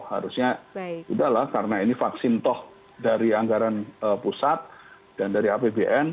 harusnya udahlah karena ini vaksin toh dari anggaran pusat dan dari apbn